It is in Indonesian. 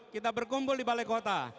kita berkumpul di balai kota